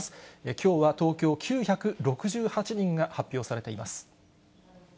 きょうは東京９６８人が発表されています。